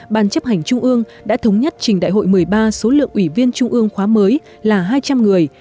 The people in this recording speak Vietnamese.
ban chấp hành trung ương đã thống nhất trình đại hội một mươi ba số lượng ủy viên trung ương khóa mới là hai trăm linh người